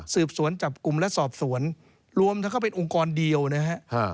สืบสวนจับกลุ่มและสอบสวนรวมทั้งเขาเป็นองค์กรเดียวนะฮะ